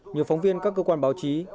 nhiều phóng viên các cơ quan báo chí